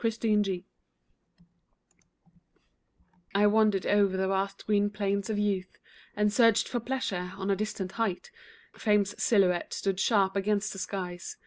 SESTINA I wandered o'er the vast green plains of youth, And searched for Pleasure. On a distant height Fame's silhouette stood sharp against the skies.